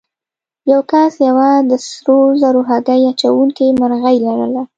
یو کس یوه د سرو زرو هګۍ اچوونکې مرغۍ لرله.